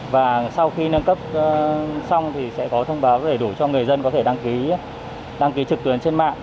và sau khi nâng cấp xong thì sẽ có thông báo đầy đủ cho người dân có thể đăng ký đăng ký trực tuyến trên mạng